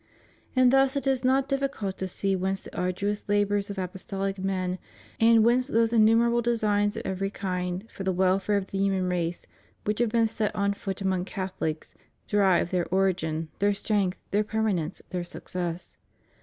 And thus it is not difficult to see whence the arduous labors of apostolic men, and whence those innumerable designs of every kind for the welfare of the human race which have been set on foot among Catholics, derive their origin, their strength, their permanence, their success.